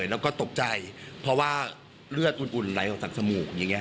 แล้วก็ตกใจเพราะว่าเลือดอุ่นไหลออกจากจมูกอย่างนี้